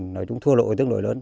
nói chung thua lộ tương đối lớn